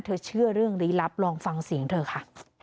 เชื่อเรื่องลี้ลับลองฟังเสียงเธอค่ะ